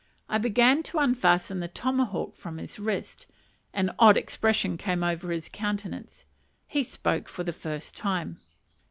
I began to unfasten the tomahawk from his wrist. An odd expression came over his countenance. He spoke for the first time.